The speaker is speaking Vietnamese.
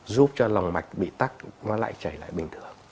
giúp cho lòng mạch bị tắt nó lại chảy lại bình thường